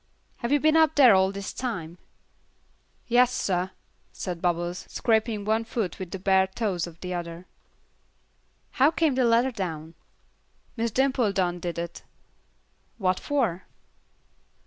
"Have you been up there all this time?" "Yas, sah," said Bubbles, scraping one foot with the bare toes of the other. "How came the ladder down?" "Miss Dimple done did it." "What for?"